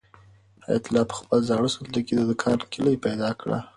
حیات الله په خپل زاړه صندوق کې د دوکان کلۍ پیدا کړه.